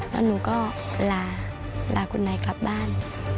แล้วหนูก็ลาลาคุณนายกลับบ้าน